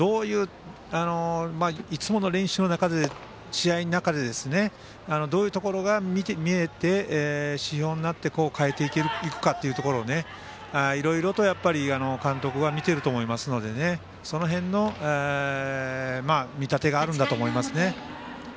どういういつもの練習の中で試合の中でどういうところが見えて指標になって変えていくかっていうのをいろいろと監督が見ていると思いますのでその辺の見立てがあるんだと思いますね。